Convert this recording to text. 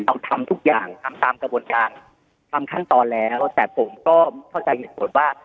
ทำทุกอย่างทำตามกระบวนการทำขั้นตอนแล้วแต่ผมก็เข้าใจเหตุผลว่า